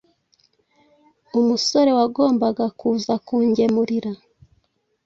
umusore wagombaga kuza kungemurira